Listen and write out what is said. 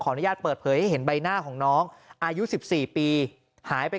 อนุญาตเปิดเผยให้เห็นใบหน้าของน้องอายุ๑๔ปีหายไป